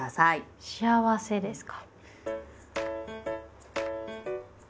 「『幸』せ」ですか。